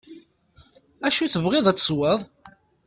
Acu tebɣiḍ ad tesweḍ.